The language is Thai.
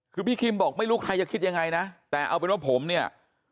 คือพี่คิมบอกไม่รู้ใครจะคิดยังไงนะแต่เอาเป็นว่าผมเนี่ย